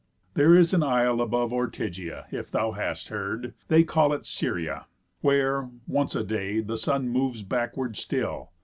There is an isle above Ortygia, If thou hast heard, they call it Syria, Where, once a day, the sun moves backward still.